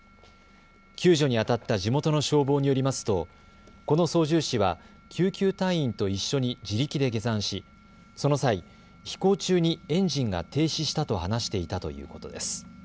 救助にあたった地元の消防によりますとこの操縦士は救急隊員と一緒に自力で下山しその際、飛行中にエンジンが停止したと話していたということです。